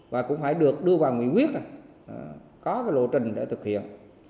và cũng phải được đưa vào nghị quyết có lộ trình để thực hiện